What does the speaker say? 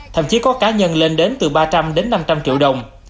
thậm chí có cá nhân lên đến từ ba trăm linh đến năm trăm linh triệu đồng